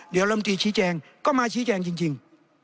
เดี๋ยวลำตีชี้แจงก็มาชี้แจงจริง